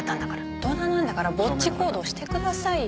大人なんだからぼっち行動してくださいよ。